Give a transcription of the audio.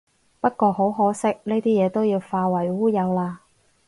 不過好可惜，呢啲嘢都要化為烏有喇